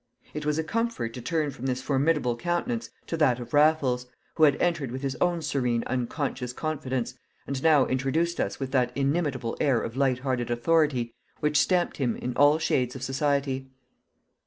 It was a comfort to turn from this formidable countenance to that of Raffles, who had entered with his own serene unconscious confidence, and now introduced us with that inimitable air of light hearted authority which stamped him in all shades of society.